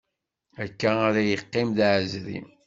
Akka ara yeqqim d aεezri?